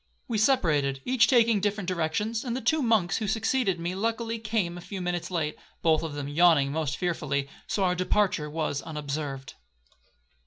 We separated, each taking different directions; and the two monks who succeeded me luckily came a few minutes late, (both of them yawning most fearfully), so our departure was unobserved.